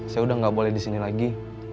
saya udah gak boleh disini lagi